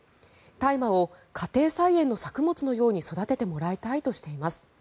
大麻を家庭菜園の作物のように育ててもらいたいとしています。